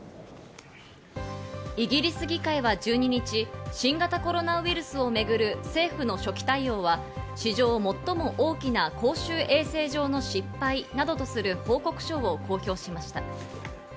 イギリス議会は１２日、新型コロナウイルスをめぐる政府の初期対応は史上最も大きな公衆衛生上の失敗などとする報告書を公表しました。